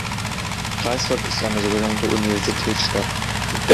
Greifswald ist eine sogenannte Universitätsstadt.